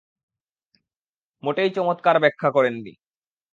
মোটেই চমৎকার ব্যাখ্যা করেন নি।